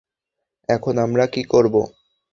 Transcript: এখন আমরা কী করব?